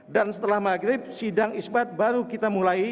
dan setelah maghrib sidang isbat baru kita mulai